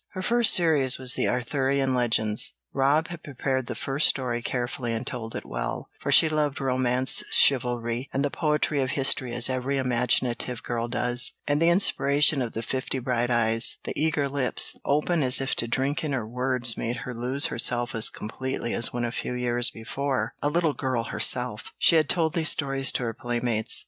Her first series was the Arthurian legends; Rob had prepared the first story carefully and told it well, for she loved romance, chivalry, and the poetry of history as every imaginative girl does, and the inspiration of the fifty bright eyes, the eager lips, open as if to drink in her words, made her lose herself as completely as when a few years before, a little girl herself, she had told these stories to her playmates.